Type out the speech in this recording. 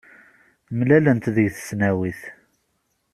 Mlalent deg tesnawit.